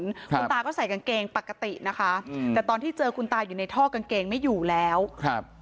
คุณตาก็ใส่กางเกงปกตินะคะอืมแต่ตอนที่เจอคุณตาอยู่ในท่อกางเกงไม่อยู่แล้วครับ